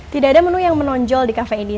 tidak ada menu yang menonjol di kafe ini